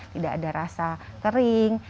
tidak ada rasa kering